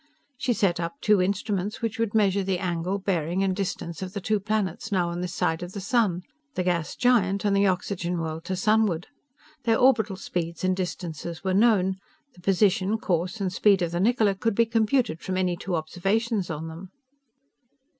She set up two instruments which would measure the angle, bearing, and distance of the two planets now on this side of the sun the gas giant and the oxygen world to sunward. Their orbital speeds and distances were known. The position, course, and speed of the Niccola could be computed from any two observations on them.